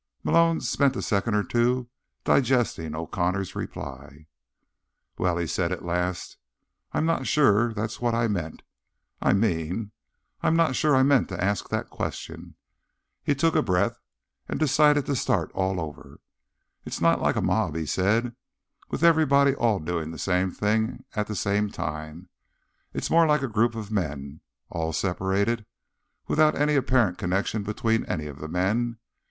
Malone spent a second or two digesting O'Connor's reply. "Well," he said at last, "I'm not sure that's what I meant. I mean, I'm not sure I meant to ask that question." He took a breath and decided to start all over. "It's not like a mob," he said, "with everybody all doing the same thing at the same time. It's more like a group of men, all separated, without any apparent connections between any of the men.